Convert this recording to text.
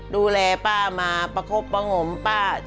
ดูแลป้ามาประคบประงมป้า